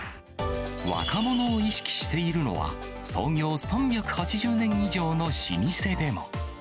若者を意識しているのは、創業３８０年以上の老舗でも。